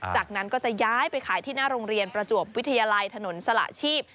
จากนั้นก็จะย้ายไปขายที่หน้าโรงเรียนประจวบวิทยาลัยถนนสละชีพ